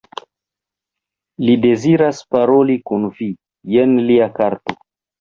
Li deziras paroli kun vi, jen lia karto.